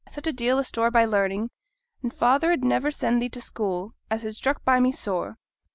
I set a deal o' store by learning, and father 'ud never send thee to school, as has stuck by me sore.'